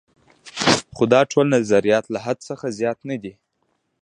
خو دا ټول نظریات له حدس څخه زیات نه دي.